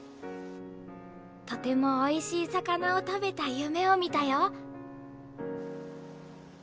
とてもおいしい魚を食べた夢を見たよ。